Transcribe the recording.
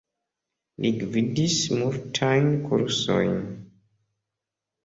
Li gvidis multajn kursojn.